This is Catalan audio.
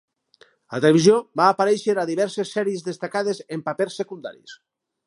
A la televisió, va aparèixer a diverses sèries destacades en papers secundaris.